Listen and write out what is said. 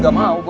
gak mau gue